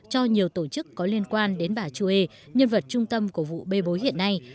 cho nhiều tổ chức có liên quan đến bà chuê nhân vật trung tâm của vụ bê bối hiện nay